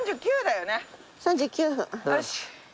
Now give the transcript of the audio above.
よし。